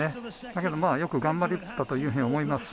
だけど、よく頑張ったというふうに思います。